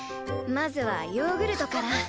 まずはヨーグルトから。